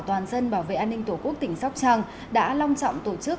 toàn dân bảo vệ an ninh tổ quốc tỉnh sóc trăng đã long trọng tổ chức